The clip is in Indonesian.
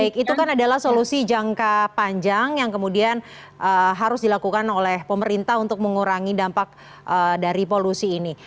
baik itu kan adalah solusi jangka panjang yang kemudian harus dilakukan oleh pemerintah untuk mengurangi dampak dari polusi ini